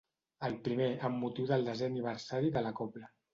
El primer, amb motiu del desè aniversari de la cobla.